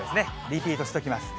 リピートしときます。